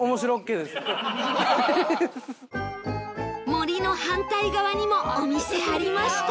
森の反対側にもお店ありました